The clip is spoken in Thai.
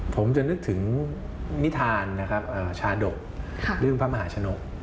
ผมจะนึกถึงนิทานนะครับชาดกเรื่องพระมหาชนก